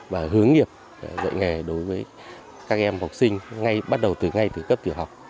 và hướng nghiệp dạy nghề đối với các em học sinh bắt đầu từ cấp tiểu học